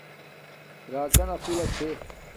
راکانا پھولہ چھے